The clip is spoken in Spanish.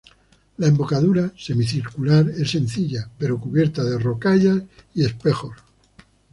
La embocadura, semicircular, es sencilla, pero cubierta de rocallas y espejos.